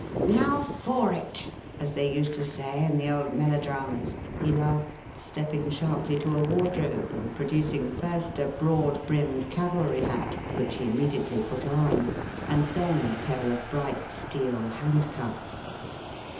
"Now for it! as they used to say in the old melodramas," he laughed, stepping sharply to a wardrobe and producing, first, a broad brimmed cavalry hat, which he immediately put on, and then a pair of bright steel handcuffs.